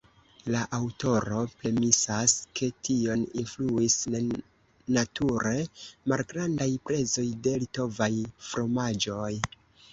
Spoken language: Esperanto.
La aŭtoro premisas, ke tion influis nenature malgrandaj prezoj de litovaj fromaĝoj.